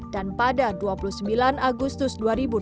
dan pada dua puluh sembilan agustus dua ribu delapan belas